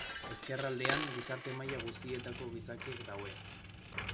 Ezkerraldean, gizarte maila guztietako gizakiak daude.